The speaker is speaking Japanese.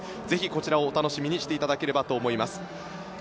ぜひ、こちらをお楽しみにしていただければと思います。